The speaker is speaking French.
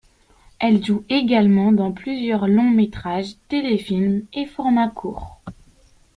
Elle joue également dans plusieurs longs métrages, téléfilms, et formats courts.